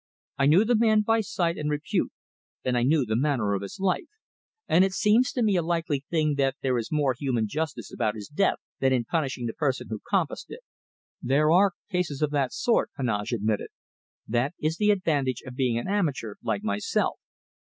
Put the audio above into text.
I knew the man by sight and repute, and I knew the manner of his life, and it seems to me a likely thing that there is more human justice about his death than in the punishing the person who compassed it." "There are cases of that sort," Heneage admitted. "That is the advantage of being an amateur, like myself.